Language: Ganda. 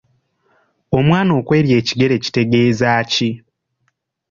Omwana okw’erya ekigere kitegeeza ki?